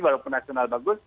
walaupun nasional bagus